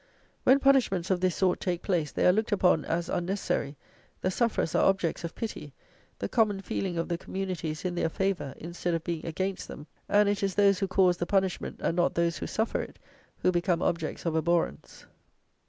When punishments of this sort take place, they are looked upon as unnecessary, the sufferers are objects of pity, the common feeling of the Community is in their favour, instead of being against them; and it is those who cause the punishment, and not those who suffer it, who become objects of abhorrence.